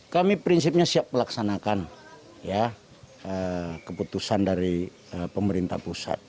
kami prinsipnya siap melaksanakan keputusan dari pemerintah pusat